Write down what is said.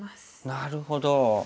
なるほど。